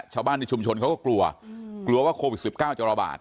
ชาวบ้านในชุมชนเขาก็กลัวกลัวว่าโควิด๑๙จะระบาด